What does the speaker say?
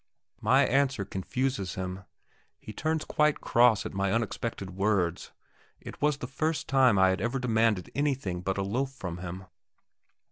My answer confuses him; he turns quite cross at my unexpected words; it was the first time I had ever demanded anything but a loaf from him.